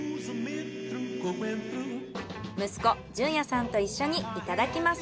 息子潤哉さんと一緒にいただきます。